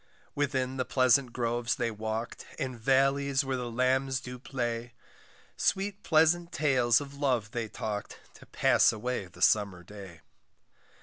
Within the pleasant groves they walk'd, And vallies where the lambs do play, Sweet pleasant tales of love they talk'd, To pass away the summer day.